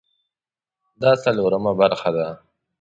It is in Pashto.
دا څلورمه برخه ده